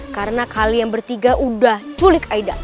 karena kalian bertiga udah culik aida